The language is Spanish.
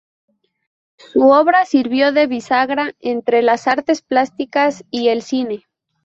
Su obra sirvió de bisagra entre las artes plásticas y el cine.